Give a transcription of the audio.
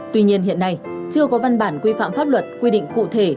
tuy nhiên hiện nay chưa có văn bản quy phạm pháp luật quy định cụ thể